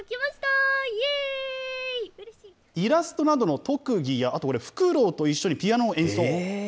イラストなどの特技や、あとフクロウと一緒にピアノを演奏。